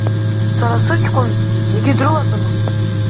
Сара сыҷкәын зегьы дрылаҵаны…